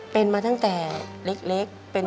เป็นมาตั้งแต่เล็ก